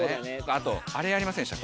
あとあれやりませんでした？